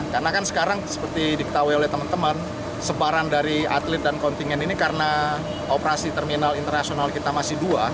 karena kan sekarang seperti diketahui oleh teman teman sebaran dari atlet dan kontingen ini karena operasi terminal internasional kita masih dua